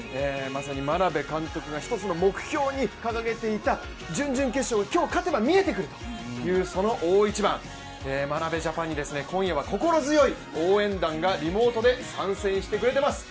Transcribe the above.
まさに眞鍋監督が１つの目標に掲げていた準々決勝今日勝てば見えてくる大一番、眞鍋ジャパンに今夜は心強い応援団がリモートで参戦してくれてます。